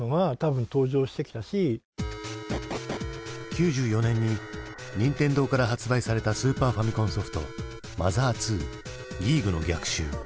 ９４年に任天堂から発売されたスーパーファミコンソフト「ＭＯＴＨＥＲ２ギーグの逆襲」。